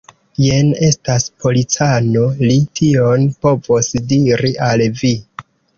Jen estas policano; li tion povos diri al vi.